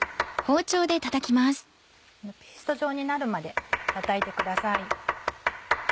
ペースト状になるまでたたいてください。